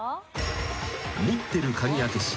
［持ってる鍵開け師